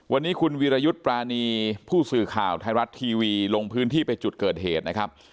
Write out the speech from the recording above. วันนี้คุณวีรยุทธ์ปรานีผู้สื่อข่าวไทยรัฐทีวีลงพื้นที่ไปจุดเกิดเหตุนะครับ